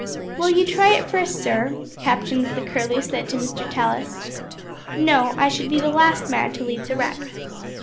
"Will you try it first, sir?" the captain of the Curlew said to Mr. Tallis. "No, I should be the last man to leave the wreck."